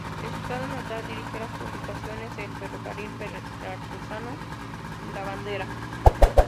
En su estado natal dirigió las publicaciones "El Ferrocarril Veracruzano" y "La Bandera".